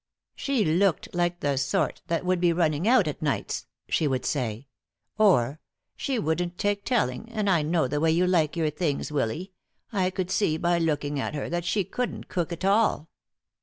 "She looked like the sort that would be running out at nights," she would say. Or: "She wouldn't take telling, and I know the way you like your things, Willy. I could see by looking at her that she couldn't cook at all."